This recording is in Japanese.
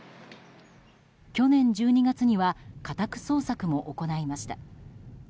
去年１２月には家宅捜索も行いました。